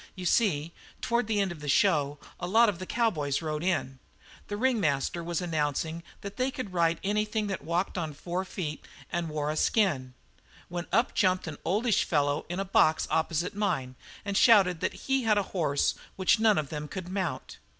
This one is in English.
You see, toward the end of the show a lot of the cowboys rode in. The ringmaster was announcing that they could ride anything that walked on four feet and wore a skin, when up jumped an oldish fellow in a box opposite mine and shouted that he had a horse which none of them could mount.